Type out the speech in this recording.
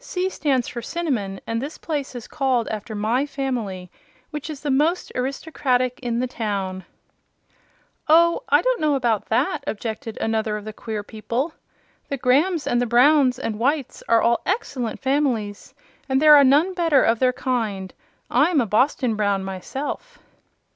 "'C' stands for Cinnamon, and this place is called after my family, which is the most aristocratic in the town." "Oh, I don't know about that," objected another of the queer people. "The Grahams and the Browns and Whites are all excellent families, and there is none better of their kind. I'm a Boston Brown, myself."